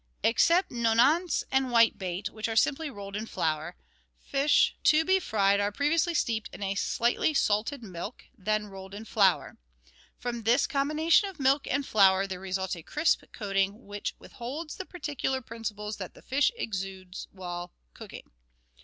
Except Nonats and whitebait, which are simply rolled in flour, fish to be fried are previously steeped in slightly salted milk and then rolled in flour. From this combination of milk and flour there results a crisp coating which withholds those particular principles that the fish exude while cooking.